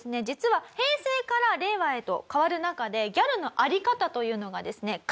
実は平成から令和へと変わる中でギャルのあり方というのがですね